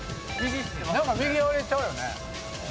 何か右あれちゃうよね。